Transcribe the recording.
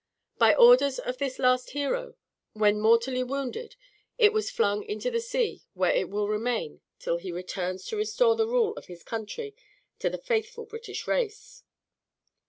By orders of this last hero, when mortally wounded, it was flung into the sea, where it will remain till he returns to restore the rule of his country to the faithful British race.